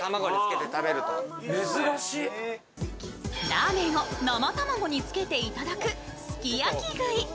ラーメンを生卵につけていただく、すき焼き食い。